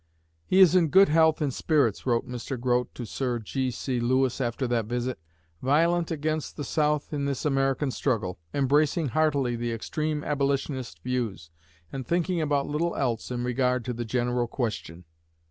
"He is in good health and spirits," wrote Mr. Grote to Sir G.C. Lewis after that visit; "violent against the South in this American struggle; embracing heartily the extreme Abolitionist views, and thinking about little else in regard to the general question."